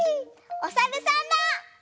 おさるさんだ！